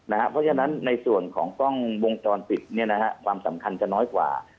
เพราะฉะนั้นในส่วนของกล้องวงจรปิดความสำคัญจะน้อยกว่า